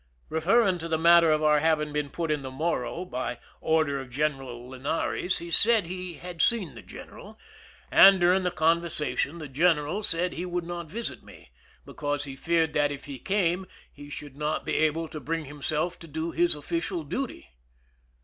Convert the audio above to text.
Referring to the matter of our having been put in the Morro by order of General Linares, he said 179 THE SINKING OF THE "MERRIMAC" he had seen the general, and during the conversa tion the general said he would not visit me, because he feared that if he came he should not be able to bring himself to do his official duty.